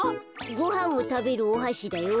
ごはんをたべるおはしだよ。